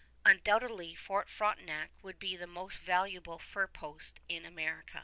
Undoubtedly Fort Frontenac would be the most valuable fur post in America.